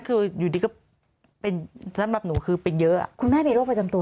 คืออยู่ดีก็เป็นสำหรับหนูคือเป็นเยอะคุณแม่มีโรคประจำตัว